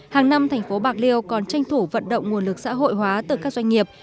hàng năm tp bạc liêu còn tranh thủ vận động nguồn lực xã hội hóa từ các doanh nghiệp